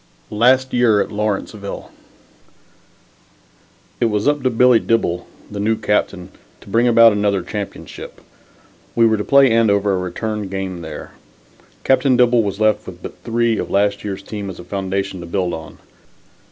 LAST YEAR AT LAWRENCEVILLE It was up to Billy Dibble, the new captain, to bring about another championship. We were to play Andover a return game there. Captain Dibble was left with but three of last year's team as a foundation to build on.